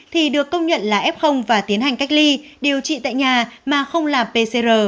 thì được công nhận là f và tiến hành cách ly điều trị tại nhà mà không là pcr